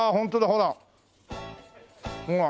ほらほら。